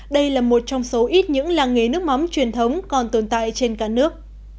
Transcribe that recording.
đây là một trong số ít những làng nghề nước mắm truyền thống còn tồn tại trên cả nước